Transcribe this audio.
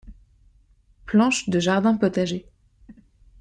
Planche de jardin potager.